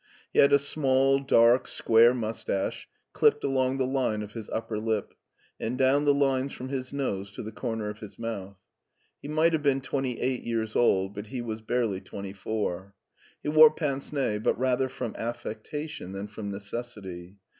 He had a small, dark, square mustache clipped along the line of his upper lip, and down the lines from his nose to the comer of his mouth. He might have been twenty eight years old, but he was barely twenty four. He wore pince nez, but rather from affectation than from necessity.